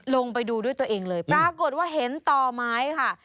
ลงไปดูด้วยตัวเองเลยปรากฏว่าเห็นต่อไม้ค่ะ